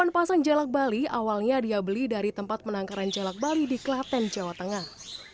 delapan pasang jelak bali awalnya dia beli dari tempat penangkaran jelak bali di klaten jawa tengah